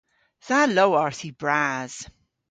Dha lowarth yw bras.